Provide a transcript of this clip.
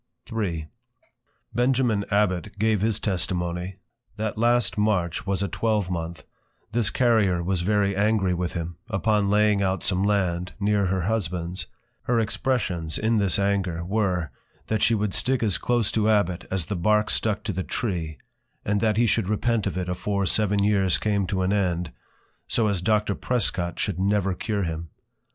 III. Benjamin Abbot gave his Testimony, That last March was a twelvemonth, this Carrier was very angry with him, upon laying out some Land, near her Husband's: Her Expressions in this Anger, were, _That she would stick as close to +Abbot+ as the Bark stuck to the Tree; and that he should repent of it afore seven Years came to an End, so as Doctor +Prescot+ should never cure him.